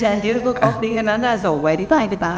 แชร์ที่บวกพ่อคอลฟดีขึ้นนั้นนะโสเวทิตายไปตา